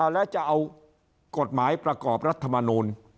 แล้วจะเอากฎหมายประกอบรัฐมนูล